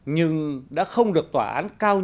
nhưng đã không được tòa án cao nhất ở đức chấp thuận